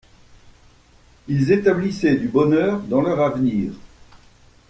Ils établissaient du bonheur dans leur avenir.